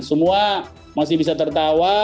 semua masih bisa tertawa